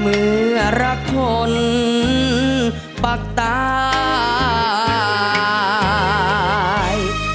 เมื่อรักคนปักตาย